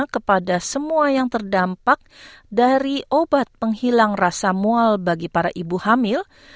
kepada semua yang terdampak dari obat penghilang rasa mual bagi para ibu hamil